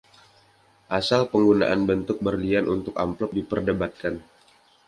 Asal penggunaan bentuk berlian untuk amplop diperdebatkan.